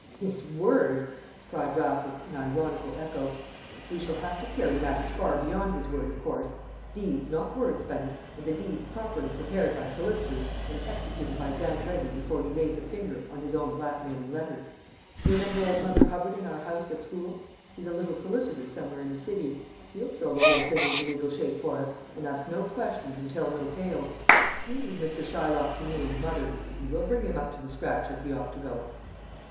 "His word!" cried Raffles, in ironical echo. "We shall have to carry matters far beyond his word, of course; deeds, not words, Bunny, and the deeds properly prepared by solicitors and executed by Dan Levy before he lays a finger on his own blackmailing letter. You remember old Mother Hubbard in our house at school? He's a little solicitor somewhere in the City; he'll throw the whole thing into legal shape for us, and ask no questions and tell no tales. You leave Mr. Shylock to me and Mother, and we'll bring him up to the scratch as he ought to go."